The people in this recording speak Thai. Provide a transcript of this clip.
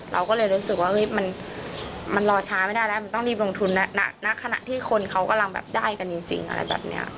เราก็เลยรู้สึกว่ามันรอช้าไม่ได้แล้วมันต้องรีบลงทุนณขณะที่คนเขากำลังแบบได้กันจริงอะไรแบบนี้